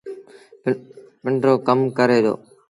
پنڊرو ڪم ڪري دو۔